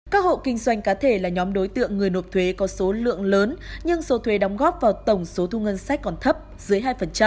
các hộ kinh doanh cá thể là nhóm đối tượng người nộp thuế có số lượng lớn nhưng số thuê đóng góp vào tổng số thu ngân sách còn thấp dưới hai